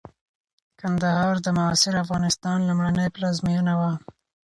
کندهار د معاصر افغانستان لومړنۍ پلازمېنه وه.